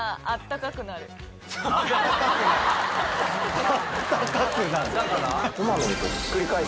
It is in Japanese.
「あったかくなる」。